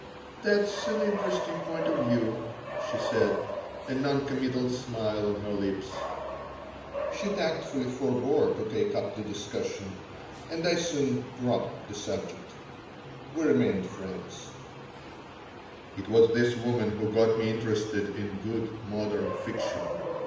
"That's an interesting point of view," she said, a non committal smile on her lips She tactfully forbore to take up the discussion, and I soon dropped the subject. We remained friends It was this woman who got me interested in good, modern fiction.